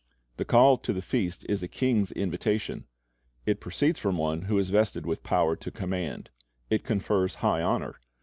The call to the feast is a king's invitation. It proceeds from one who is vested with power to command. It confers high honor.